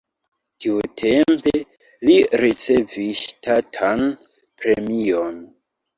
Tiutempe li ricevis ŝtatan premion.